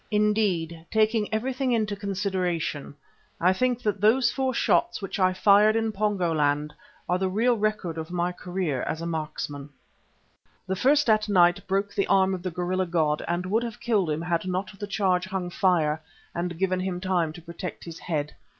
Indeed, taking everything into consideration, I think that those four shots which I fired in Pongo land are the real record of my career as a marksman. The first at night broke the arm of the gorilla god and would have killed him had not the charge hung fire and given him time to protect his head.